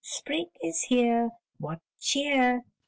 Spring is here; what cheer!"